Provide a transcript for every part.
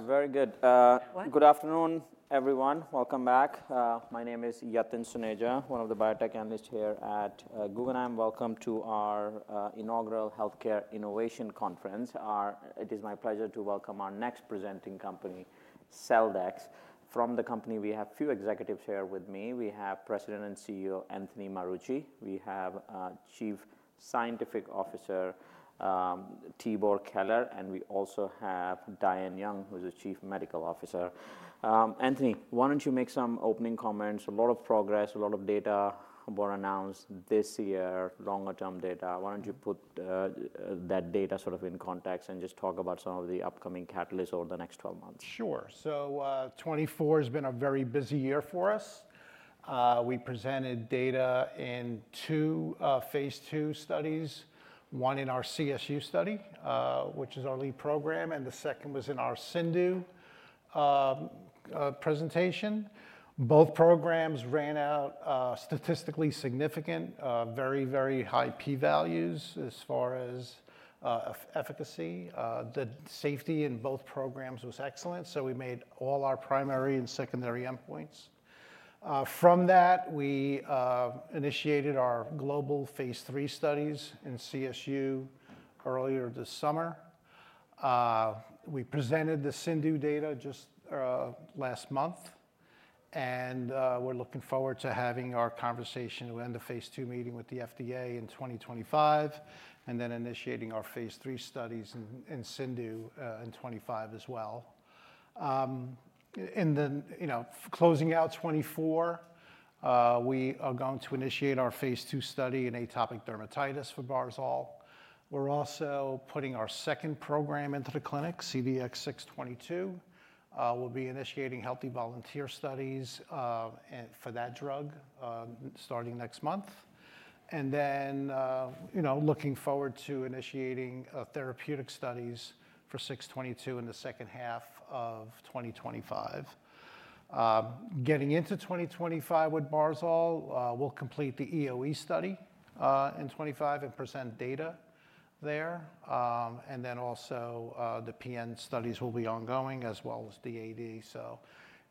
Very good. What? Good afternoon, everyone. Welcome back. My name is Yatin Suneja, one of the biotech analysts here at Guggenheim. Welcome to our Inaugural Healthcare Innovation Conference. It is my pleasure to welcome our next presenting company, Celldex. From the company, we have a few executives here with me. We have President and CEO Anthony Marucci. We have Chief Scientific Officer Tibor Keler, and we also have Diane Young, who's a Chief Medical Officer. Anthony, why don't you make some opening comments? A lot of progress, a lot of data were announced this year, longer-term data. Why don't you put that data sort of in context and just talk about some of the upcoming catalysts over the next 12 months? Sure. So 2024 has been a very busy year for us. We presented data in two phase two studies, one in our CSU study, which is our lead program, and the second was in our CIndU presentation. Both programs ran out statistically significant, very, very high p-values as far as efficacy. The safety in both programs was excellent, so we made all our primary and secondary endpoints. From that, we initiated our global phase three studies in CSU earlier this summer. We presented the CIndU data just last month, and we're looking forward to having our conversation and the phase two meeting with the FDA in 2025, and then initiating our phase three studies in CIndU in 2025 as well. In the closing out 2024, we are going to initiate our phase two study in atopic dermatitis for barzol. We're also putting our second program into the clinic, CDX-622. We'll be initiating healthy volunteer studies for that drug starting next month, and then looking forward to initiating therapeutic studies for 622 in the second half of 2025. Getting into 2025 with barzol, we'll complete the EOE study in 2025 and present data there, and then also the PN studies will be ongoing as well as AD, so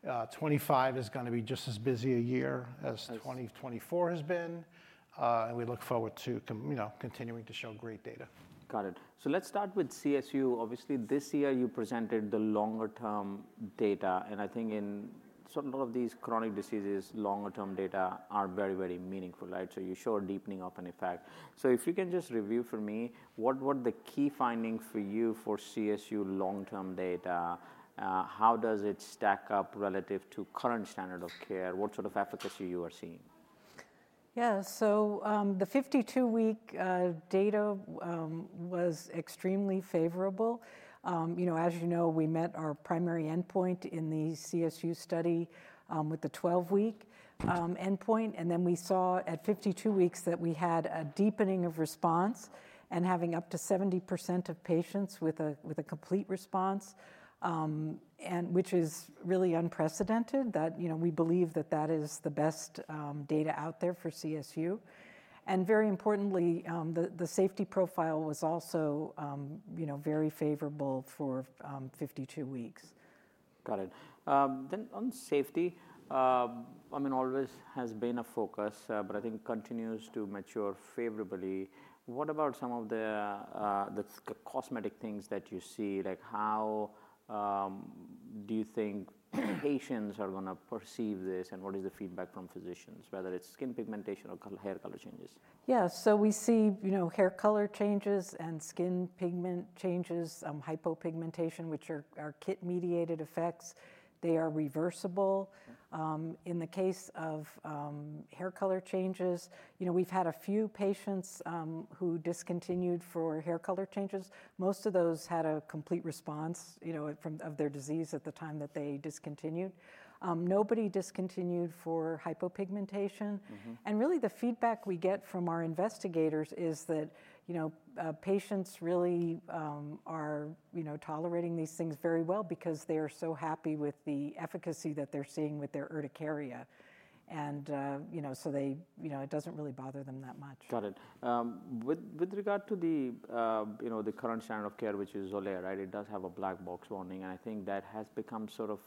2025 is going to be just as busy a year as 2024 has been, and we look forward to continuing to show great data. Got it, so let's start with CSU. Obviously, this year you presented the longer-term data, and I think in a lot of these chronic diseases, longer-term data are very, very meaningful, right, so you show a deepening of an effect, so if you can just review for me, what were the key findings for you for CSU long-term data? How does it stack up relative to current standard of care? What sort of efficacy you are seeing? Yeah, so the 52-week data was extremely favorable. As you know, we met our primary endpoint in the CSU study with the 12-week endpoint. And then we saw at 52 weeks that we had a deepening of response and having up to 70% of patients with a complete response, which is really unprecedented. We believe that that is the best data out there for CSU. And very importantly, the safety profile was also very favorable for 52 weeks. Got it. Then on safety, I mean, always has been a focus, but I think continues to mature favorably. What about some of the cosmetic things that you see? Like how do you think patients are going to perceive this and what is the feedback from physicians, whether it's skin pigmentation or hair color changes? Yeah, so we see hair color changes and skin pigment changes, hypopigmentation, which are KIT-mediated effects. They are reversible. In the case of hair color changes, we've had a few patients who discontinued for hair color changes. Most of those had a complete response of their disease at the time that they discontinued. Nobody discontinued for hypopigmentation. And really the feedback we get from our investigators is that patients really are tolerating these things very well because they are so happy with the efficacy that they're seeing with their urticaria. And so it doesn't really bother them that much. Got it. With regard to the current standard of care, which is Xolair, right? It does have a black box warning. And I think that has become sort of,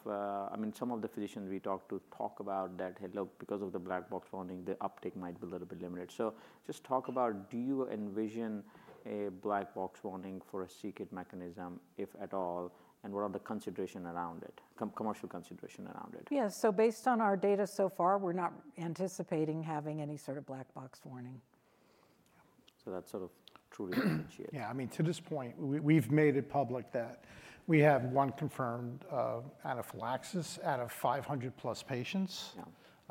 I mean, some of the physicians we talked to talk about that, hey, look, because of the black box warning, the uptake might be a little bit limited. So just talk about, do you envision a black box warning for a KIT mechanism, if at all, and what are the considerations around it, commercial considerations around it? Yeah, so based on our data so far, we're not anticipating having any sort of black box warning. So that's sort of truly differentiated. Yeah, I mean, to this point, we've made it public that we have one confirmed anaphylaxis out of 500 plus patients.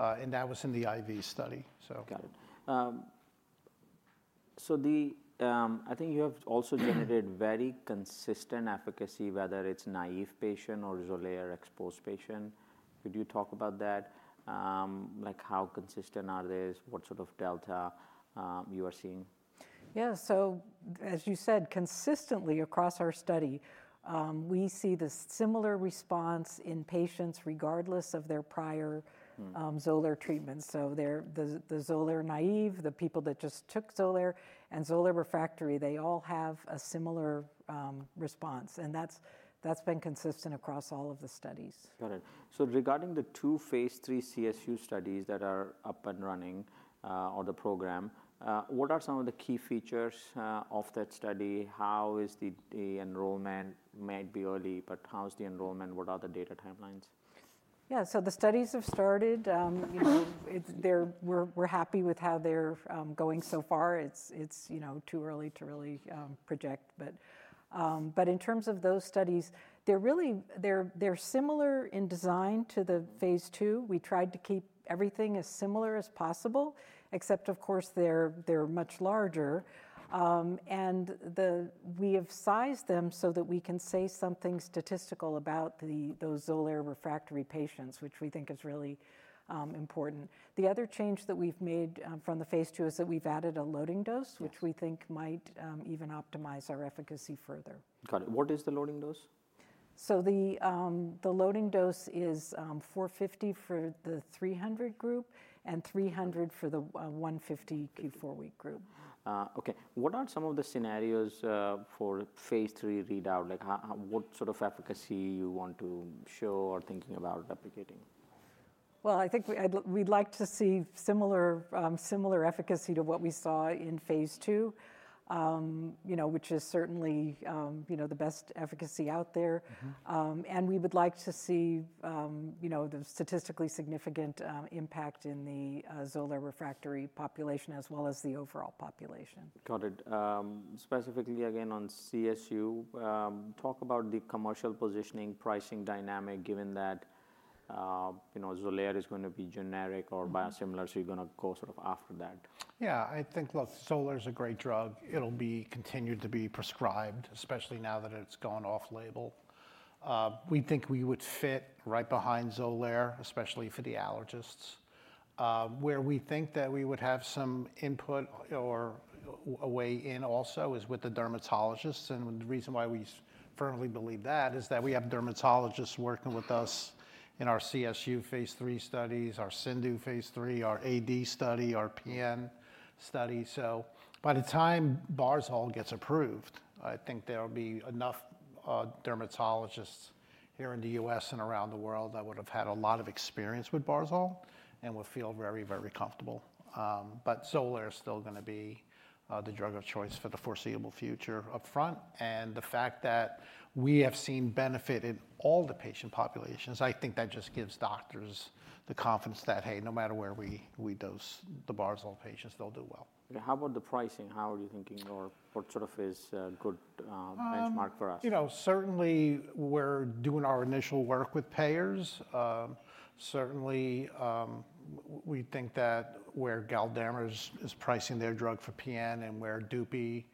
And that was in the IV study, so. Got it. So I think you have also generated very consistent efficacy, whether it's naïve patient or Xolair-exposed patient. Could you talk about that? Like how consistent are they? What sort of delta you are seeing? Yeah, so as you said, consistently across our study, we see the similar response in patients regardless of their prior Xolair treatments. So the Xolair naive, the people that just took Xolair, and Xolair refractory, they all have a similar response. And that's been consistent across all of the studies. Got it. So regarding the two phase 3 CSU studies that are up and running or the program, what are some of the key features of that study? How is the enrollment? It might be early, but how's the enrollment? What are the data timelines? Yeah, so the studies have started. We're happy with how they're going so far. It's too early to really project. But in terms of those studies, they're similar in design to the phase 2. We tried to keep everything as similar as possible, except of course they're much larger. And we have sized them so that we can say something statistical about those Xolair refractory patients, which we think is really important. The other change that we've made from the phase 2 is that we've added a loading dose, which we think might even optimize our efficacy further. Got it. What is the loading dose? The loading dose is 450 for the 300 group and 300 for the 150 Q4 week group. Okay. What are some of the scenarios for phase three readout? Like what sort of efficacy you want to show or thinking about replicating? I think we'd like to see similar efficacy to what we saw in phase two, which is certainly the best efficacy out there. We would like to see the statistically significant impact in the Xolair refractory population as well as the overall population. Got it. Specifically again on CSU, talk about the commercial positioning, pricing dynamic, given that Xolair is going to be generic or biosimilar, so you're going to go sort of after that. Yeah, I think, look, Xolair is a great drug. It'll continue to be prescribed, especially now that it's gone off-label. We think we would fit right behind Xolair, especially for the allergists. Where we think that we would have some input or a way in also is with the dermatologists, and the reason why we firmly believe that is that we have dermatologists working with us in our CSU phase three studies, our CIndU phase three, our AD study, our PN study. So by the time barzol gets approved, I think there'll be enough dermatologists here in the US and around the world that would have had a lot of experience with barzol and would feel very, very comfortable, but Xolair is still going to be the drug of choice for the foreseeable future upfront. The fact that we have seen benefit in all the patient populations, I think that just gives doctors the confidence that, hey, no matter where we dose the barzol patients, they'll do well. How about the pricing? How are you thinking or what sort of is a good benchmark for us? You know, certainly we're doing our initial work with payers. Certainly we think that where Galderma is pricing their drug for PN and where Dupy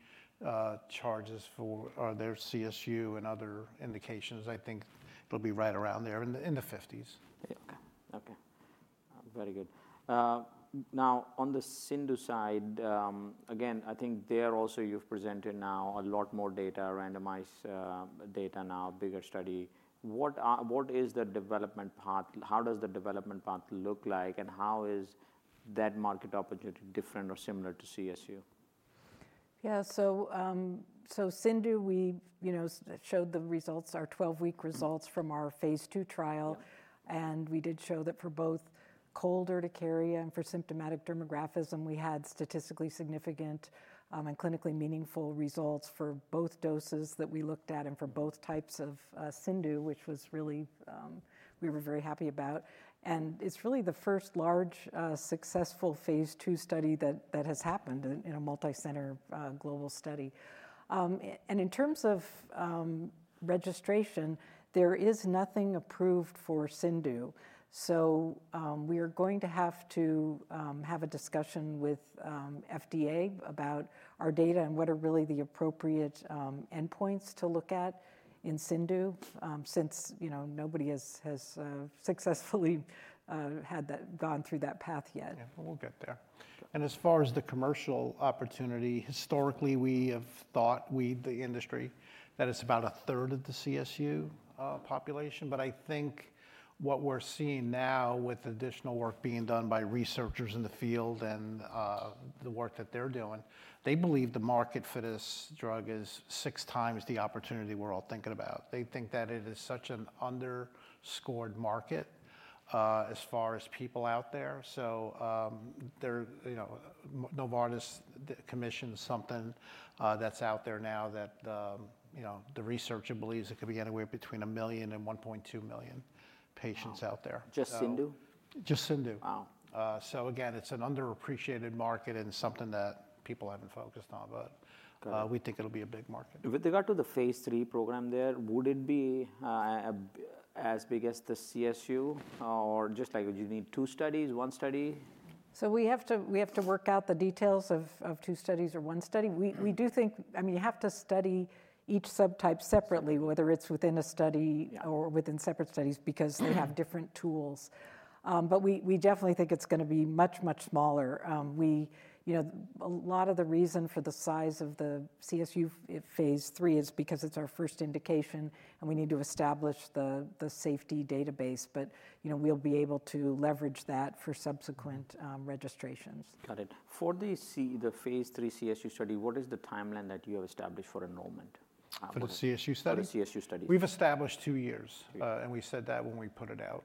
charges for their CSU and other indications, I think it'll be right around there in the 50s. Okay. Okay. Very good. Now on the CIndU side, again, I think there also you've presented now a lot more data, randomized data now, bigger study. What is the development path? How does the development path look like? And how is that market opportunity different or similar to CSU? Yeah, so CIndU, we showed the results, our 12-week results from our phase two trial. And we did show that for both cold urticaria and for symptomatic dermographism, we had statistically significant and clinically meaningful results for both doses that we looked at and for both types of CIndU, which, really, we were very happy about. And it's really the first large successful phase two study that has happened in a multicenter global study. And in terms of registration, there is nothing approved for CIndU. So we are going to have to have a discussion with FDA about our data and what are really the appropriate endpoints to look at in CIndU since nobody has successfully gone through that path yet. Yeah, we'll get there. And as far as the commercial opportunity, historically we have thought, we, the industry, that it's about a third of the CSU population. But I think what we're seeing now with additional work being done by researchers in the field and the work that they're doing, they believe the market for this drug is six times the opportunity we're all thinking about. They think that it is such an underserved market as far as people out there. So Novartis commissioned something that's out there now that the researcher believes it could be anywhere between a million and 1.2 million patients out there. Just CIndU? Just CIndU. Wow. So again, it's an underappreciated market and something that people haven't focused on, but we think it'll be a big market. With regard to the phase three program there, would it be as big as the CSU or just like you need two studies, one study? So we have to work out the details of two studies or one study. We do think, I mean, you have to study each subtype separately, whether it's within a study or within separate studies because they have different tools. But we definitely think it's going to be much, much smaller. A lot of the reason for the size of the CSU phase three is because it's our first indication and we need to establish the safety database. But we'll be able to leverage that for subsequent registrations. Got it. For the phase three CSU study, what is the timeline that you have established for enrollment? For the CSU study? For the CSU study. We've established two years, and we said that when we put it out,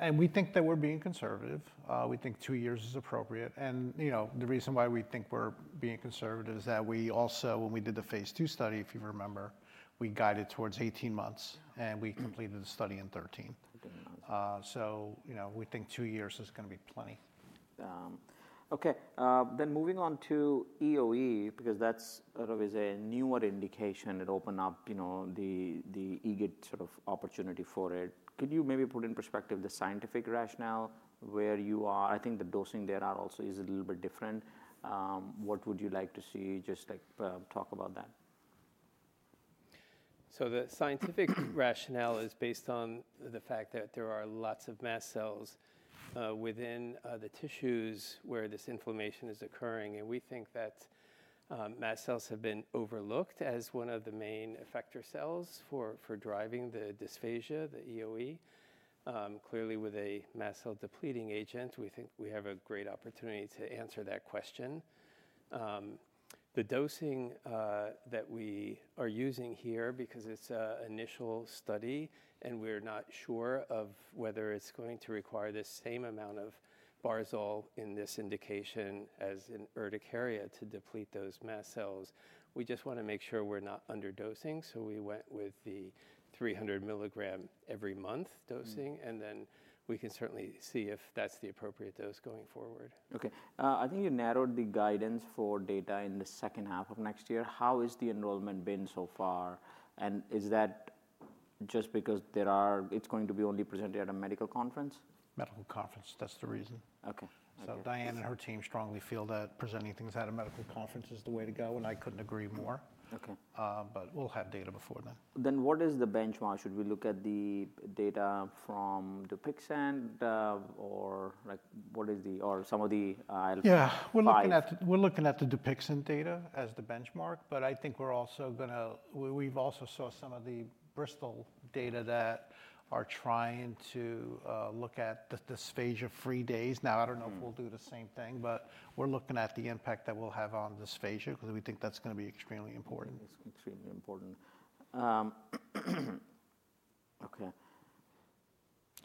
and we think that we're being conservative. We think two years is appropriate, and the reason why we think we're being conservative is that we also, when we did the phase two study, if you remember, we guided towards 18 months and we completed the study in 13. So we think two years is going to be plenty. Okay. Then moving on to EOE, because that's sort of a newer indication, it opened up the EGIT sort of opportunity for it. Could you maybe put in perspective the scientific rationale where you are? I think the dosing there also is a little bit different. What would you like to see? Just talk about that. The scientific rationale is based on the fact that there are lots of mast cells within the tissues where this inflammation is occurring. And we think that mast cells have been overlooked as one of the main effector cells for driving the dysphagia, the EOE. Clearly, with a mast cell depleting agent, we think we have a great opportunity to answer that question. The dosing that we are using here, because it's an initial study and we're not sure of whether it's going to require the same amount of barzol in this indication as in urticaria to deplete those mast cells, we just want to make sure we're not underdosing. We went with the 300 milligram every month dosing. And then we can certainly see if that's the appropriate dose going forward. Okay. I think you narrowed the guidance for data in the second half of next year. How has the enrollment been so far? And is that just because it's going to be only presented at a medical conference? Medical conference, that's the reason. Okay. So Diane and her team strongly feel that presenting things at a medical conference is the way to go. And I couldn't agree more. But we'll have data before then. Then what is the benchmark? Should we look at the data from Dupixent or some of the? Yeah, we're looking at the Dupixent data as the benchmark. But I think we've also saw some of the Bristol data that are trying to look at the dysphagia free days. Now, I don't know if we'll do the same thing, but we're looking at the impact that we'll have on dysphagia because we think that's going to be extremely important. It's extremely important. Okay. Do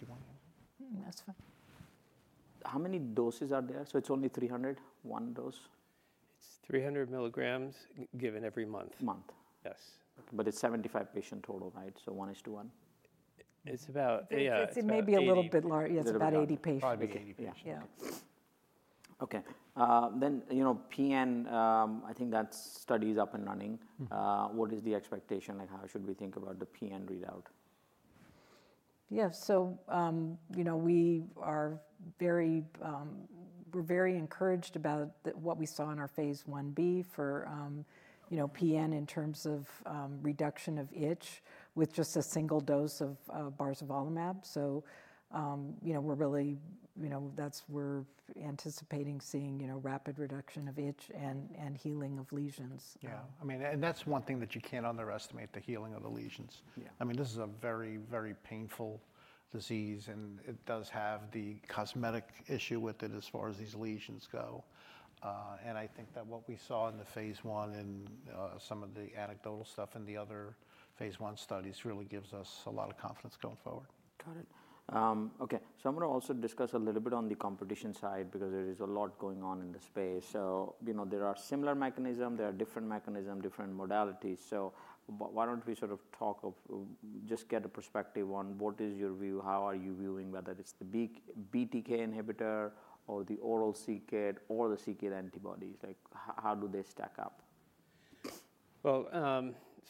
you want to answer? That's fine. How many doses are there? So it's only 300, one dose? It's 300 milligrams given every month. Month. Yes. But it's 75 patients total, right? So one is to one? It's about. It may be a little bit large. Yeah, it's about 80 patients. Probably 80 patients. Yeah. Okay. Then PN, I think that study is up and running. What is the expectation? How should we think about the PN readout? Yeah, so we're very encouraged about what we saw in our phase one B for PN in terms of reduction of itch with just a single dose of barzolvolimab. So, we're really; that's where we're anticipating seeing rapid reduction of itch and healing of lesions. Yeah. I mean, and that's one thing that you can't underestimate, the healing of the lesions. I mean, this is a very, very painful disease and it does have the cosmetic issue with it as far as these lesions go. And I think that what we saw in the phase one and some of the anecdotal stuff in the other phase one studies really gives us a lot of confidence going forward. Got it. Okay. So I'm going to also discuss a little bit on the competition side because there is a lot going on in the space. So there are similar mechanisms, there are different mechanisms, different modalities. So why don't we sort of talk of just get a perspective on what is your view, how are you viewing whether it's the BTK inhibitor or the oral KIT or the KIT antibodies? How do they stack up?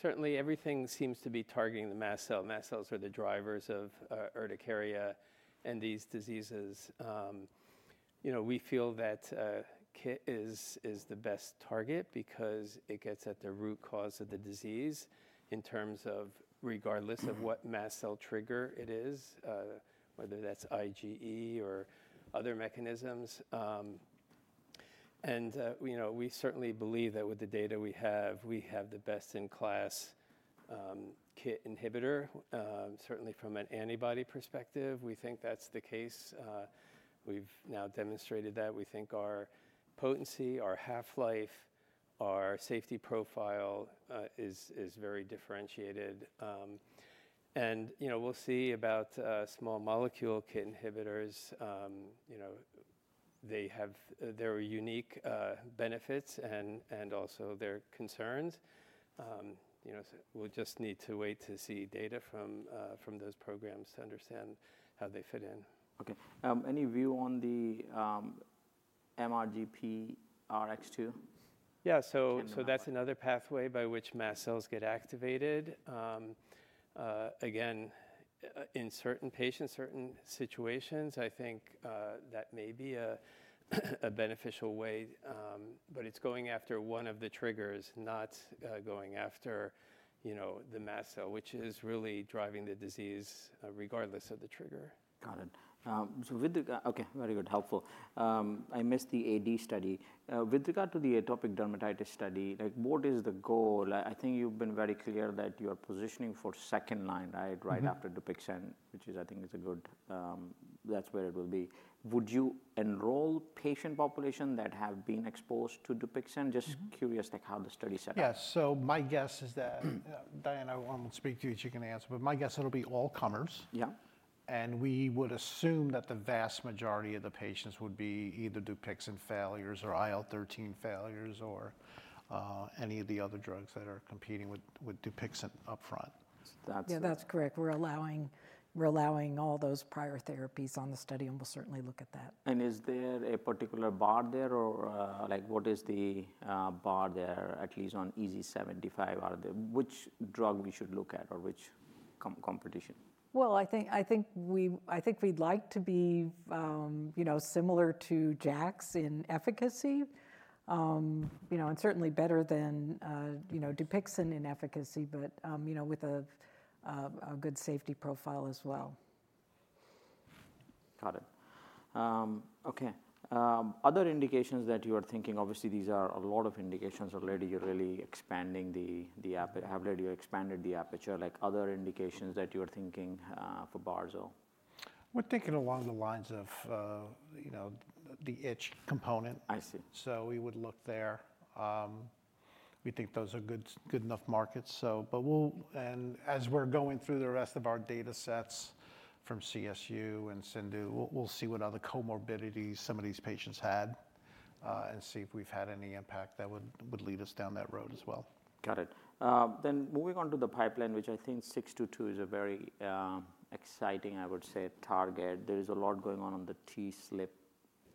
Certainly everything seems to be targeting the mast cell. Mast cells are the drivers of urticaria and these diseases. We feel that KIT is the best target because it gets at the root cause of the disease in terms of regardless of what mast cell trigger it is, whether that's IgE or other mechanisms. We certainly believe that with the data we have, we have the best in class KIT inhibitor, certainly from an antibody perspective. We think that's the case. We've now demonstrated that. We think our potency, our half-life, our safety profile is very differentiated. We'll see about small molecule KIT inhibitors. They have their unique benefits and also their concerns. We'll just need to wait to see data from those programs to understand how they fit in. Okay. Any view on the MRGPRX2? Yeah, so that's another pathway by which mast cells get activated. Again, in certain patients, certain situations, I think that may be a beneficial way. But it's going after one of the triggers, not going after the mast cell, which is really driving the disease regardless of the trigger. Got it. So with regard, okay, very good, helpful. I missed the AD study. With regard to the atopic dermatitis study, what is the goal? I think you've been very clear that you are positioning for second line, right, right after Dupixent, which I think is a good, that's where it will be. Would you enroll patient population that have been exposed to Dupixent? Just curious how the study set up. Yeah, so my guess is that Diane, I won't speak to you so you can answer, but my guess it'll be all comers. Yeah. We would assume that the vast majority of the patients would be either Dupixent failures or IL-13 failures or any of the other drugs that are competing with Dupixent upfront. Yeah, that's correct. We're allowing all those prior therapies on the study and we'll certainly look at that. Is there a particular bar there or what is the bar there, at least on EoE 75? Which drug we should look at or which competition? I think we'd like to be similar to in efficacy and certainly better than Dupixent in efficacy, but with a good safety profile as well. Got it. Okay. Other indications that you are thinking, obviously these are a lot of indications already. You're really expanding the aperture. You expanded the aperture. Other indications that you are thinking for barzol? We're thinking along the lines of the itch component. I see. So we would look there. We think those are good enough markets. But as we're going through the rest of our data sets from CSU and CIndU, we'll see what other comorbidities some of these patients had and see if we've had any impact that would lead us down that road as well. Got it. Then moving on to the pipeline, which I think 622 is a very exciting, I would say, target. There is a lot going on in the TSLP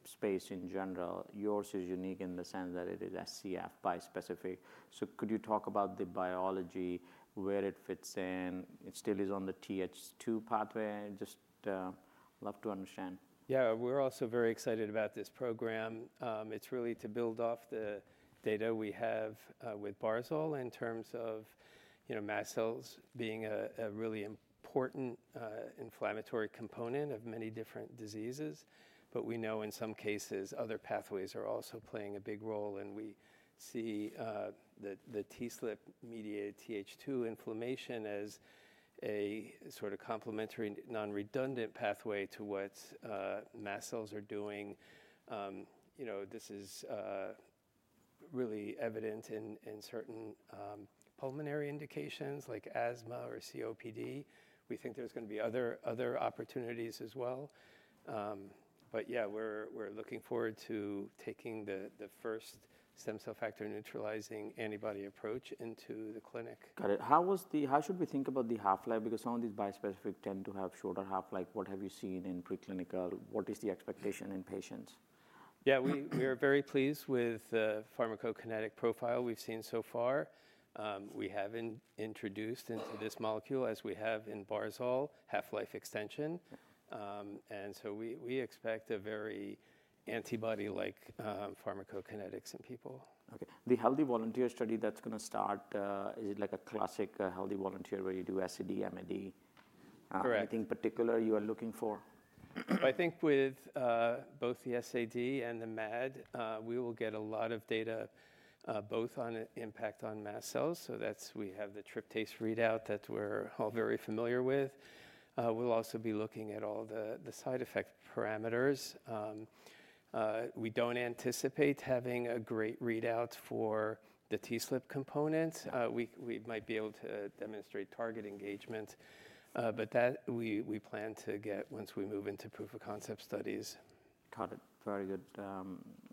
space in general. Yours is unique in the sense that it is SCF bispecific. So could you talk about the biology, where it fits in? It still is on the Th2 pathway. Just love to understand. Yeah, we're also very excited about this program. It's really to build off the data we have with barzol in terms of mast cells being a really important inflammatory component of many different diseases, but we know in some cases other pathways are also playing a big role. We see the TSLPmediated Th2 inflammation as a sort of complementary non-redundant pathway to what mast cells are doing. This is really evident in certain pulmonary indications like asthma or COPD. We think there's going to be other opportunities as well, but yeah, we're looking forward to taking the first stem cell factor neutralizing antibody approach into the clinic. Got it. How should we think about the half-life? Because some of these bispecific tend to have shorter half-life. What have you seen in preclinical? What is the expectation in patients? Yeah, we are very pleased with the pharmacokinetic profile we've seen so far. We have introduced into this molecule, as we have in barzol, half-life extension. And so we expect a very antibody-like pharmacokinetics in people. Okay. The healthy volunteer study that's going to start, is it like a classic healthy volunteer where you do SAD, MAD? Correct. Anything particular you are looking for? I think with both the SAD and the MAD, we will get a lot of data both on impact on mast cells. We have the tryptase readout that we're all very familiar with. We'll also be looking at all the side effect parameters. We don't anticipate having a great readout for the TSLP component. We might be able to demonstrate target engagement, but that we plan to get once we move into proof of concept studies. Got it. Very good.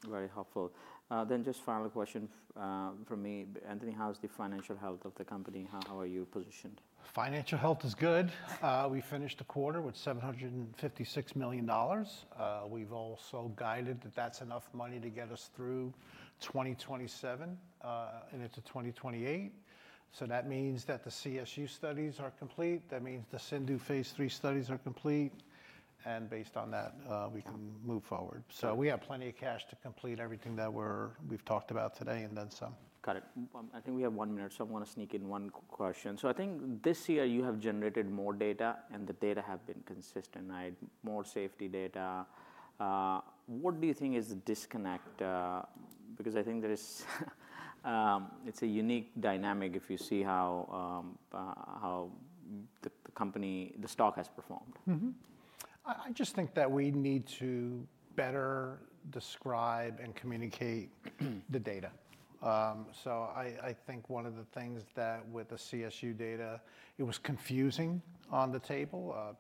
Very helpful. Then just final question for me. Anthony, how's the financial health of the company? How are you positioned? Financial health is good. We finished the quarter with $756 million. We've also guided that that's enough money to get us through 2027 and into 2028. So that means that the CSU studies are complete. That means the CIndU phase three studies are complete. And based on that, we can move forward. So we have plenty of cash to complete everything that we've talked about today and then some. Got it. I think we have one minute, so I want to sneak in one question. So I think this year you have generated more data and the data have been consistent, right? More safety data. What do you think is the disconnect? Because I think it's a unique dynamic if you see how the stock has performed. I just think that we need to better describe and communicate the data. So I think one of the things that with the CSU data, it was confusing on the table.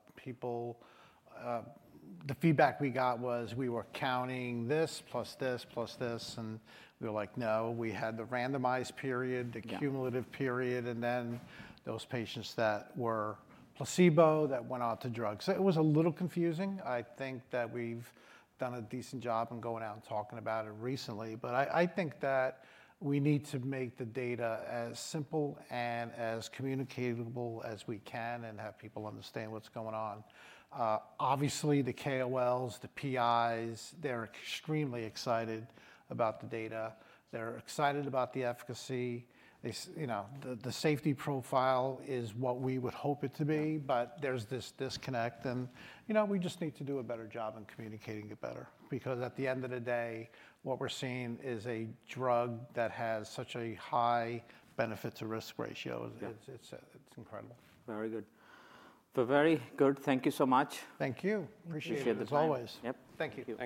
The feedback we got was we were counting this plus this plus this. And we were like, no, we had the randomized period, the cumulative period, and then those patients that were placebo that went off to drugs. So it was a little confusing. I think that we've done a decent job in going out and talking about it recently. But I think that we need to make the data as simple and as communicable as we can and have people understand what's going on. Obviously, the KOLs, the PIs, they're extremely excited about the data. They're excited about the efficacy. The safety profile is what we would hope it to be, but there's this disconnect. We just need to do a better job in communicating it better because at the end of the day, what we're seeing is a drug that has such a high benefit to risk ratio. It's incredible. Very good. So very good. Thank you so much. Thank you. Appreciate it as always. Yep. Thank you.